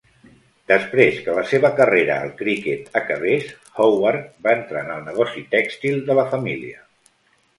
Després que la seva carrera al criquet acabés, Howard va entrar en el negoci tèxtil de la família.